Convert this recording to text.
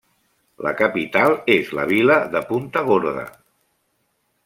La capital és la vila de Punta Gorda.